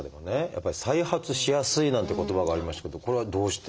やっぱり「再発しやすい」なんて言葉がありましたけどこれはどうして？